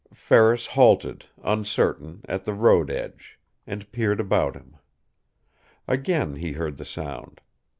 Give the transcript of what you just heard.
Ferris halted, uncertain, at the road edge; and peered about him. Again he heard the sound.